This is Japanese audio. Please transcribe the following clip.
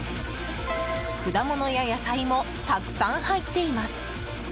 果物や野菜もたくさん入っています。